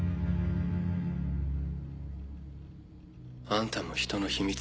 あんたもひとの秘密